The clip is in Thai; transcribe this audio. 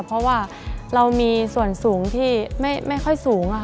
เพราะว่าเรามีส่วนสูงที่ไม่ค่อยสูง